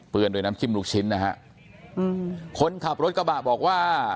เปลือนโดยน้ำจิ้มลูกชิ้นนะฮะคนขับรถกระบะบอกว่า